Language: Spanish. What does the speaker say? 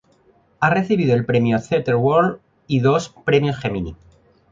Ha recibido el Premio Theatre World y dos Premios Gemini.